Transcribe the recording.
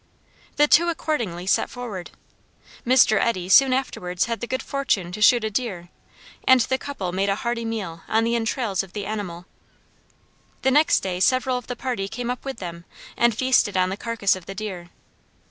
The two accordingly set forward. Mr. Eddy soon afterwards had the good fortune to shoot a deer, and the couple made a hearty meal on the entrails of the animal. The next day several of the party came up with them, and feasted on the carcass of the deer.